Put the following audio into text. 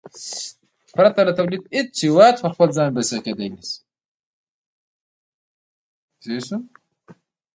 پرته له تولیده هېڅ هېواد پر ځان بسیا کېدای نه شي.